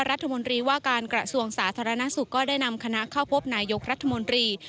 รัฐมนตรีว่าการกระทรวงสาธารณสุขก็ได้นำคณะเข้าพบนายกรัฐมนตรี